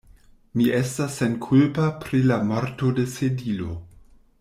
Mi estas senkulpa pri la morto de Sedilo.